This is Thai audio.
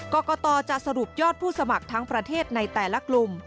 กรกตจะสรุปยอดผู้สมัครทั้งประเทศในแต่ละกลุ่ม